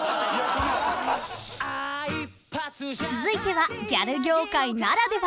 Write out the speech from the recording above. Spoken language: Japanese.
［続いてはギャル業界ならでは］